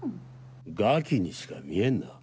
餓鬼にしか見えんな。